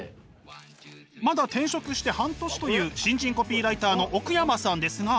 まだ転職して半年という新人コピーライターの奥山さんですが。